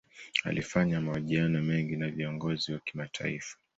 Alifanya mahojiano mengi na viongozi wa kimataifa.